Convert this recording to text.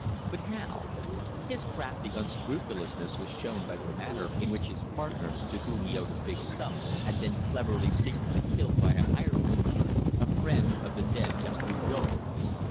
But how? His crafty unscrupulousness was shown by the manner in which his partner, to whom he owed a big sum, had been cleverly secretly killed by a hireling a friend of the dead Despujol.